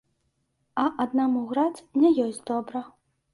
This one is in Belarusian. А аднаму граць не ёсць добра.